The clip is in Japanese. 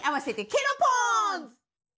ケロポンズ！